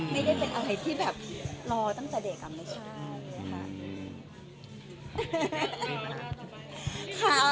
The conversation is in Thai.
ไม่ได้เป็นอะไรที่แบบรอตั้งแต่เด็กไม่ใช่ค่ะ